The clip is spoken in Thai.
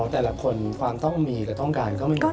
อ๋อแต่ละคนความต้องมีกับต้องการก็ไม่เหมือนกัน